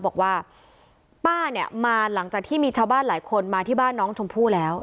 บอกว่าป้าเนี่ยมาหลังจากที่มีชาวบ้านหลายคนมาที่บ้านน้องชมพู่แล้ว